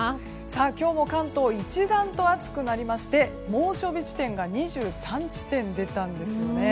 今日も関東一段と暑くなりまして猛暑日地点が２３地点出たんですよね。